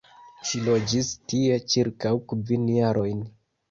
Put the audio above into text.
Ŝi loĝis tie ĉirkaŭ kvin jarojn.